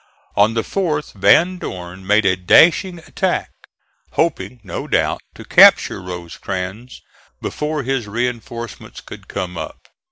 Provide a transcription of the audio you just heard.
On the 4th Van Dorn made a dashing attack, hoping, no doubt, to capture Rosecrans before his reinforcements could come up.